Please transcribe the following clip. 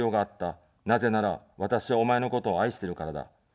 なぜなら、私は、お前のことを愛してるからだ。